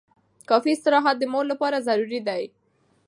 کافي استراحت د مور لپاره ضروري دی.